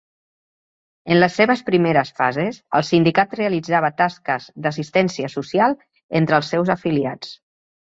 En les seves primeres fases el sindicat realitzava tasques d'assistència social entre els seus afiliats.